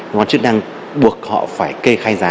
nó chứ đang buộc họ phải kê khai giá